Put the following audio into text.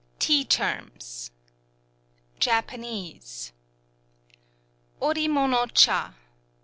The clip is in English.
TEA TERMS JAPANESE Ori mono châ